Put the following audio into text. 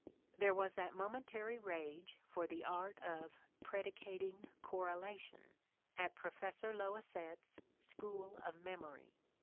There was that momentary rage for the art of "predi cating correlation" at Professor Loisette's School of Memory.